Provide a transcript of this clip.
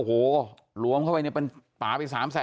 หลวมเข้าไปยังเป็น๓๐๐๐๐๐บาทอีก๓๐๐๐๐๐บาท